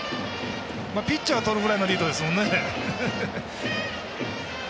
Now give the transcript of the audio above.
ピッチャーが、とるぐらいのリードですもんね。